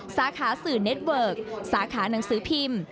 สาขาสื่อเน็ตเวิร์กสาขาหนังสือพิมพ์